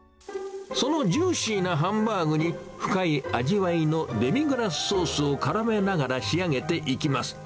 そのジューシーなハンバーグに、深い味わいのデミグラスソースをからめながら仕上げていきます。